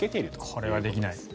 これはできない。